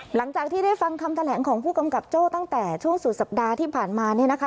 หลังจากที่ได้ฟังคำแถลงของผู้กำกับโจ้ตั้งแต่ช่วงสุดสัปดาห์ที่ผ่านมาเนี่ยนะคะ